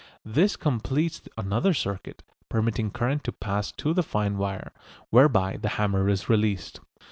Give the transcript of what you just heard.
This completes another circuit, permitting current to pass to the fine wire, whereby the hammer is released.